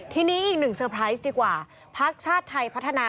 ทีนี้อีกหนึ่งเซอร์ไพรส์ดีกว่าพักชาติไทยพัฒนา